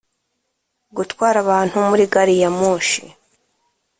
Gutwara abantu muri gari ya moshi